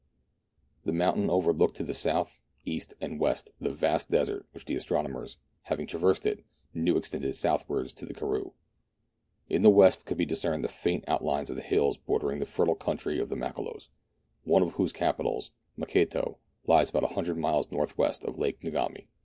The mountain overlooked to the south, east, and west the vast desert which the astronomers, having traversed it, knew extended southwards to the karroo. In the west could be discerned the faint outlines of the hills bordering the fertile country of the Makololos, one of whose capitals, Maketo, lies about a hundred miles north west of Lake Ngami.